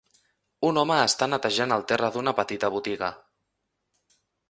Un home està netejant el terra d'una petita botiga